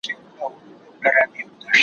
رسول الله ليک نسو لوستلای.